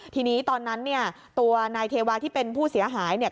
ทีนี้ตอนนั้นเนี่ยตัวนายเทวาที่เป็นผู้เสียหายเนี่ย